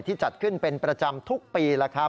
ที่จัดขึ้นเป็นประจำทุกปี